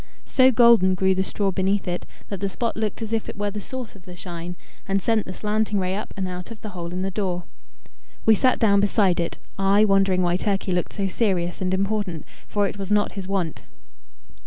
So golden grew the straw beneath it, that the spot looked as if it were the source of the shine, and sent the slanting ray up and out of the hole in the door. We sat down beside it, I wondering why Turkey looked so serious and important, for it was not his wont.